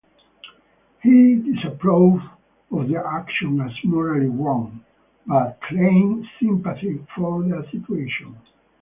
He disapproved of their actions as morally wrong, but claimed sympathy for their situation.